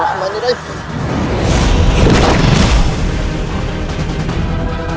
aku akan pergi ke istana yang lain